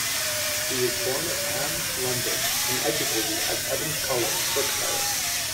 He was born at Ham, London and educated at Eton College, Berkshire.